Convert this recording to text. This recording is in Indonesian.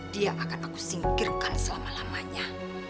dia akan aku singkirkan selama lamanya